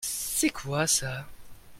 C'est quoi ça ?